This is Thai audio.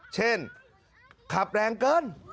เช่นขับแรงเกิน